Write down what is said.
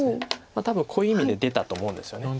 多分こういう意味で出たと思うんですよね。